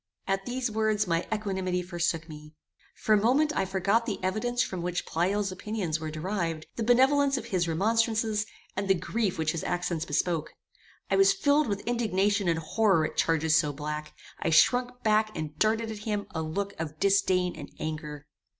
At these words my equanimity forsook me. For a moment I forgot the evidence from which Pleyel's opinions were derived, the benevolence of his remonstrances, and the grief which his accents bespoke; I was filled with indignation and horror at charges so black; I shrunk back and darted at him a look of disdain and anger.